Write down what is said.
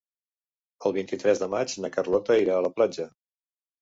El vint-i-tres de maig na Carlota irà a la platja.